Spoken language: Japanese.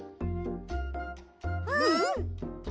うん！